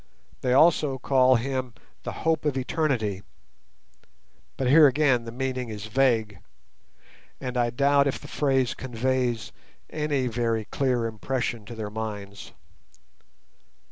They also call him the "hope of eternity", but here again the meaning is vague, and I doubt if the phrase conveys any very clear impression to their minds.